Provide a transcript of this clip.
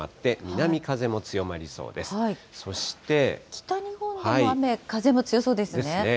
北日本でも雨、風も強そうですね。